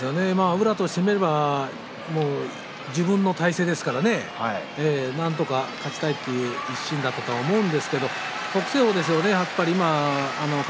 宇良は自分の体勢ですからねなんとか勝ちたいという一心だったと思うんですが北青鵬の方ですよね